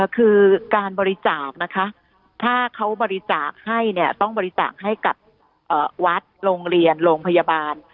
คือการบริจาคนะคะถ้าเขาบริจาคให้เนี่ยต้องบริจาคให้กับวัดโรงเรียนโรงพยาบาล